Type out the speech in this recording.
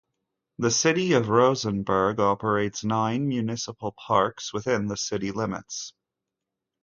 The City of Rosenberg operates nine municipal parks within the city limits.